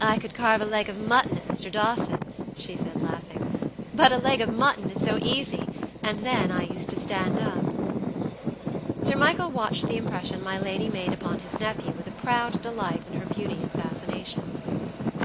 "I could carve a leg of mutton at Mr. Dawson's," she said, laughing; "but a leg of mutton is so easy, and then I used to stand up." Sir Michael watched the impression my lady made upon his nephew with a proud delight in her beauty and fascination.